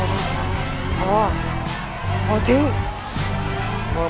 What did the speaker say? พอพอพอดี